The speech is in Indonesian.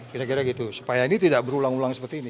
kira kira gitu supaya ini tidak berulang ulang seperti ini